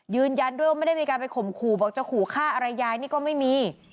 ยืนยันด้วยว่าไม่ได้มีการไปข่มขู่บอกจะขู่ฆ่าอะไรยายนี่ก็ไม่มี